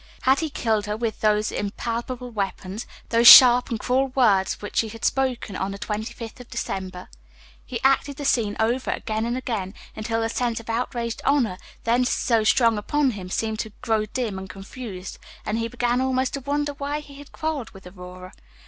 Had he killed her with those impalpable weapons, those sharp and cruel words which he had spoken on the 25th of December? He acted the scene over again and again, until the sense of outraged honor, then so strong upon him, seemed to grow dim and confused, and he began almost to wonder why he had quarrelled with Aurora.